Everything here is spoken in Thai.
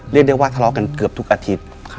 เรียกได้ว่าทะเลาะกันเกือบทุกอาทิตย์